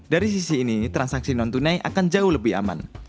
dari sisi ini transaksi non tunai akan jauh lebih aman